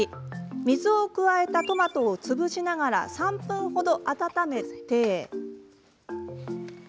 水を加えたトマトを潰しながら３分ほど温めます。